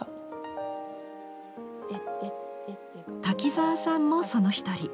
滝沢さんもその一人。